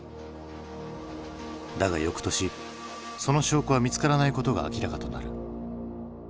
だがよくとしその証拠は見つからないことが明らかとなる。